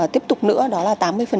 tiếp tục nữa đó là tám mươi